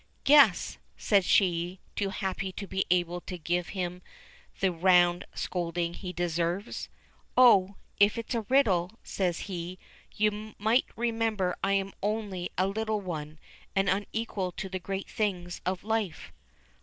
"Guess," says she, too happy to be able to give him the round scolding he deserves. "Oh! if it's a riddle," says he, "you might remember I am only a little one, and unequal to the great things of life."